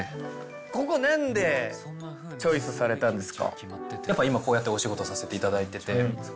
ここ何でチョイスされたんですか？